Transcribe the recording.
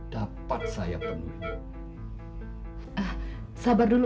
dapat saya penuhi